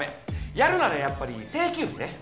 やるならやっぱり定休日ね。